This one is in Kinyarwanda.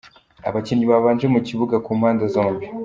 Abakinnyi babanje mu kibuga ku mapnde zombi :